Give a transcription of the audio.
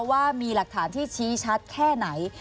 ว่ามีหลักฐานที่ชี้ชัดแค่ไหน